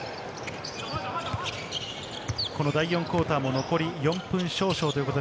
第４クオーターも残り４分少々です。